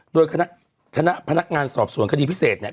โดยคณะพนักงานสอบสวนคดีพิเศษเนี่ย